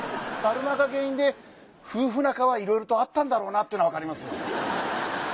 達磨が原因で夫婦仲はいろいろとあったんだろうなっていうのはわかります。